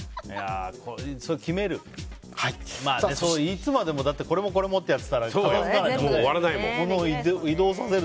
いつまでもこれもこれもってやってたら片付かないもんね。